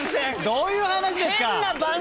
どういう話ですか！？